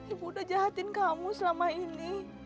ibu udah jahatin kamu selama ini